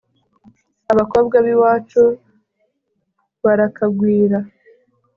abakobwa b'iwacu barakagwira